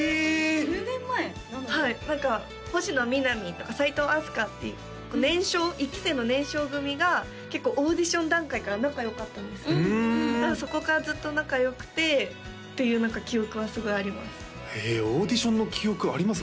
１０年前なのにはい何か星野みなみとか齋藤飛鳥って年少１期生の年少組が結構オーディション段階から仲良かったんですけどそこからずっと仲良くてっていう何か記憶はすごいありますへえオーディションの記憶あります？